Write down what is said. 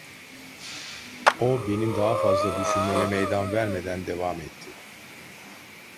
O, benim daha fazla düşünmeme meydan vermeden devam etti: